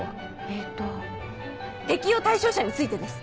えっと「適用対象者」についてです。